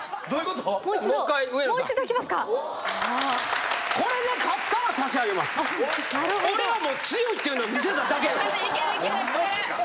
どういうこと？